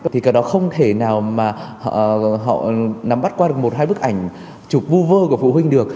thì cái đó không thể nào mà họ nắm bắt qua được một hai bức ảnh chụp vu vơ của phụ huynh được